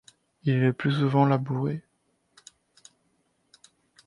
Il est le plus souvent labouré.